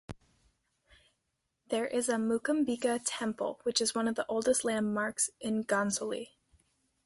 There is a Mookambika temple which is one of the oldest landmarks in Ghansoli.